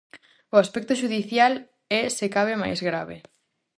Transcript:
O aspecto xudicial é se cabe máis grave.